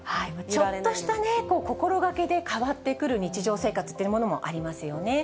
ちょっとした心がけで変わっていく日常生活というものもありますよね。